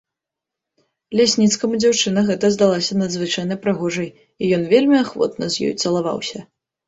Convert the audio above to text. Лясніцкаму дзяўчына гэта здалася надзвычайна прыгожай, і ён вельмі ахвотна з ёй цалаваўся.